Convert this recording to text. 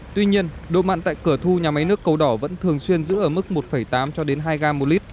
tuy nhiên độ mặn tại cửa thu nhà máy nước cầu đỏ vẫn thường xuyên giữ ở mức một tám cho đến hai gram một lít